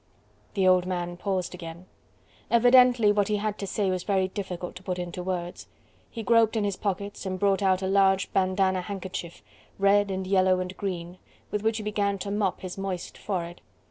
The old man paused again. Evidently what he had to say was very difficult to put into words. He groped in his pockets and brought out a large bandana handkerchief, red and yellow and green, with which he began to mop his moist forehead.